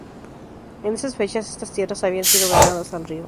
En esas fechas, estas tierras habían sido ganadas al río.